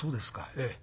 ええ。